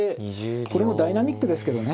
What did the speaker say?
これもダイナミックですけどね。